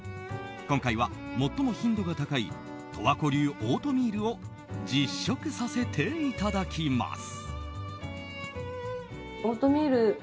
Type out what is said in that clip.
今回は、もっとも頻度が高い十和子流オートミールを実食させていただきます。